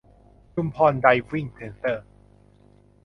ชุมพรไดฟ์วิ่งเซ็นเตอร์